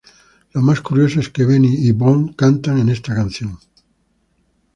Lo más curioso es que Benny y Björn cantan en esta canción.